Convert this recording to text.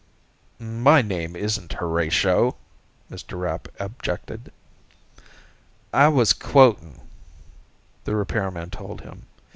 "My name isn't Horatio," Mr. Rapp objected. "I was quoting," the repairman told him.